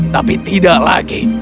tapi tidak lagi